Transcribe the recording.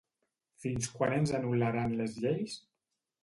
Fins quan ens anul·laran les lleis?